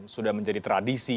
sudah menjadi tradisi